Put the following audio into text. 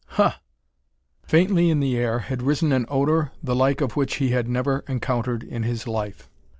"Huh!" Faintly in the air had risen an odor the like of which he had never encountered in his life.